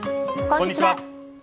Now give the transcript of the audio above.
こんにちは。